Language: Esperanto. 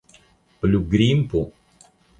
Plu grimpu?